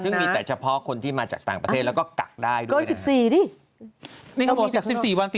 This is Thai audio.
ซึ่งมีแต่เฉพาะคนที่มาจากต่างประเทศแล้วก็กักได้ด้วย